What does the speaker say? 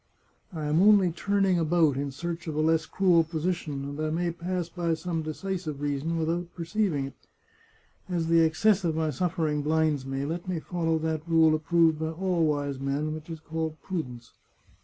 I am only turning about in search of a less cruel position, and I may pass by some decisive reason without perceiving it. As the excess of my suffering blinds me, let me follow that rule approved by all wise men, which is called prudence.